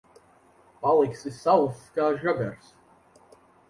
Paliksi sauss kā žagars.